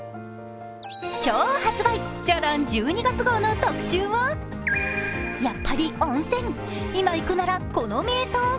今日発売、「じゃらん」１２月号の特集はやっぱり温泉、「今」行くなら、この名湯。